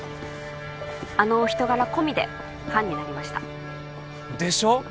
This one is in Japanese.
あのお人柄込みでファンになりましたでしょ？